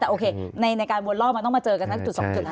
แต่โอเคในการวอร์มมันต้องมาเจอกันทั้งจุดสองจุดแล้วนะครับ